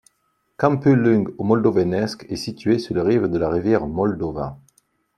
Câmpulung Moldovenesc est située sur les rives de la rivière Moldova.